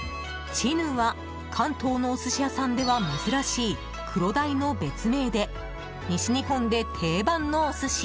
チヌは関東のお寿司屋さんでは珍しいクロダイの別名で西日本で定番のお寿司。